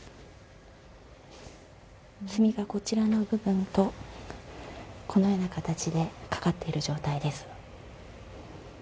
墨がこちら部分と、このような形でかかっている状態です。